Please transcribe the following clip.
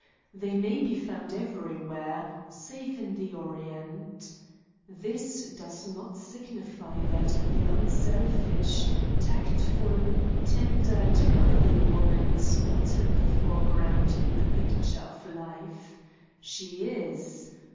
They may be found everywhere, save in the Orient. This does not signify that the unselfish, tactful, tender and worthy woman is not in the foreground in the picture of life. She is.